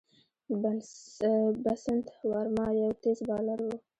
بسنت ورما یو تېز بالر وو.